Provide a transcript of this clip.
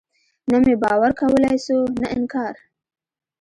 نه مې باور کولاى سو نه انکار.